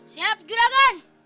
siap judah kan